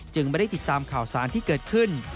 ไม่ได้ติดตามข่าวสารที่เกิดขึ้น